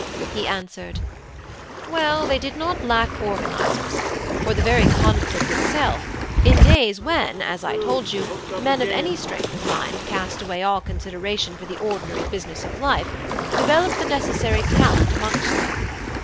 He answered: "Well, they did not lack organisers; for the very conflict itself, in days when, as I told you, men of any strength of mind cast away all consideration for the ordinary business of life, developed the necessary talent amongst them.